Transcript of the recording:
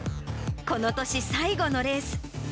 この年最後のレース。